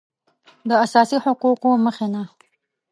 د اساسي حقوقو مخینه